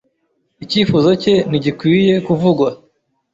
Icyifuzo cye ntigikwiye kuvugwa.